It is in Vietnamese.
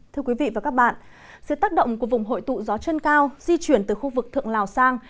thưa quý vị và các bạn dưới tác động của vùng hội tụ gió chân cao di chuyển từ khu vực thượng lào sang